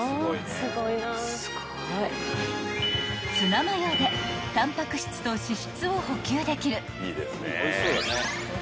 ［ツナマヨでタンパク質と脂質を補給できる］